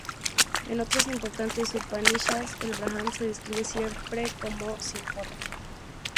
En otras importantes "Upanishads", el Brahman se describe siempre como sin forma.